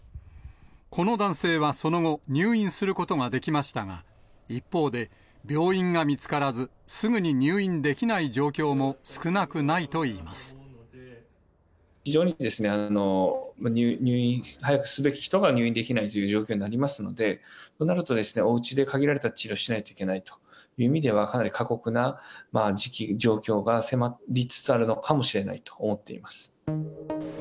この男性はその後、入院することができましたが、一方で、病院が見つからず、すぐに入院できない非常に、入院、早くすべき人が入院できないという状況になりますので、となると、おうちで限られた治療をしないという意味では、かなり過酷な時期、状況が迫りつつあるのかもしれないと思っています。